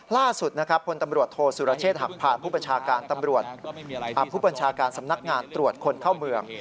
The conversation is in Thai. ล่าสุดผู้ประชาการสำนักงานตรวจคนเข้าเมือง